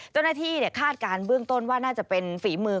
เจ้าหน้าที่คาดการณ์เบื้องต้นว่าน่าจะเป็นฝีมือ